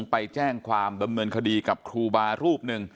ไปแจ้งความดำเนินคดีกับครูบารูปหนึ่ง